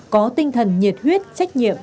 có tinh thần nhiệt huyết trách nhiệm